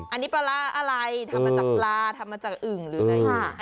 อันนี้ปลาร้าอะไรทำมาจากปลาทำมาจากอึ่งหรืออะไรอย่างนี้